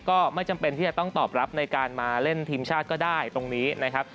ก็ไม่จำเป็นที่จะต้องตอบรับในการมาเล่นทีมชาติก็ได้ตรงนี้นะครับ